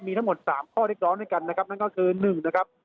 มีทั้งหมด๓ข้อเรียกร้องด้วยกันนะครับนั่นก็คือ๑นะครับ